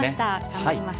頑張ります。